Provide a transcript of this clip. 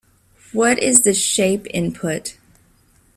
What is the shape input?